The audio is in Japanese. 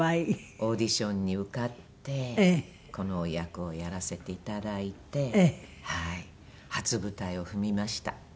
オーディションに受かってこの役をやらせていただいて初舞台を踏みました。